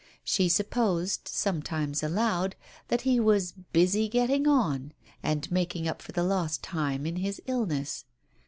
She supposed, some times aloud, that he was "busy getting on " and making up for the time lost in his illness.